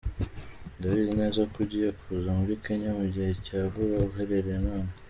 Ndabizi neza ko ugiye kuza muri Kenya mu gihe cya vuba uhereye none.